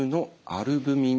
アルブミン？